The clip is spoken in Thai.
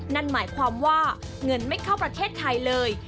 นั่นหมายความว่าเงินไม่เข้าประเทศไทยเลย